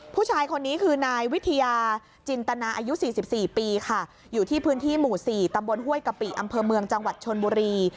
ผู้ชายคนนี้คือนายวิทยาจินตนาอายุ๔๔ปีค่ะอยู่ที่พื้นที่หมู่๔ตำบลห้วยกะปิอำเภอเมืองจังหวัดชนบุรี